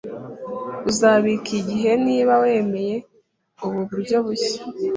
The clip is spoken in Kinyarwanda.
Uzabika igihe niba wemeye ubu buryo bushya